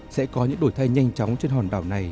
sẽ có những đổi thay nhanh chóng trên hòn đảo này